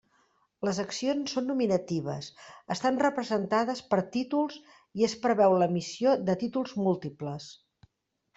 Les accions són nominatives, estan representades per títols i es preveu l'emissió de títols múltiples.